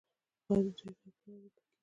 آیا د دوی غږ نه اوریدل کیږي؟